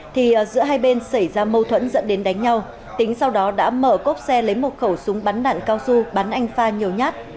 thì giữa hai bên xảy ra mâu thuẫn dẫn đến đánh nhau tính sau đó đã mở cốp xe lấy một khẩu súng bắn đạn cao su bắn anh pha nhiều nhát